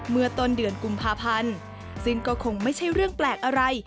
เมื่อต้นเดือนกุมภาพันธ์ซึ่งก็คงไม่ใช่เรื่องแปลกอะไร